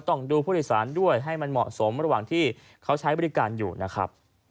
ต้องดูผู้โดยสารด้วยให้มันเหมาะสมระหว่างที่เขาใช้บริการอยู่นะครับ